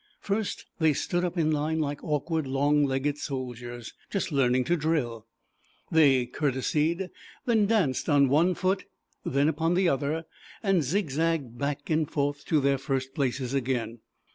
First they stood up in line like awkward long legged soldiers, just learning to drill. They courte sied, then danced on one foot, then upon the other and zigzagged back and forth to their first places again.